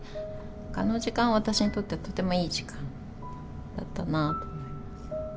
あの時間は私にとってとてもいい時間だったなと思います。